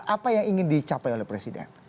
apa yang ingin dicapai oleh presiden